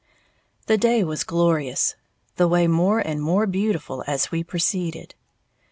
The day was glorious, the way more and more beautiful as we proceeded.